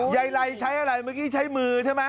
ไรใช้อะไรเมื่อกี้ใช้มือใช่ไหม